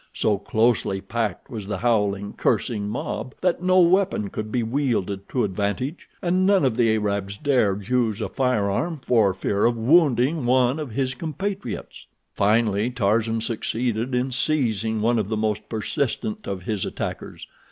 So closely packed was the howling, cursing mob that no weapon could be wielded to advantage, and none of the Arabs dared use a firearm for fear of wounding one of his compatriots. Finally Tarzan succeeded in seizing one of the most persistent of his attackers.